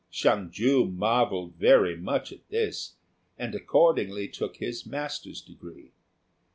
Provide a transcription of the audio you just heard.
Hsiang ju marvelled very much at this, and accordingly took his master's degree.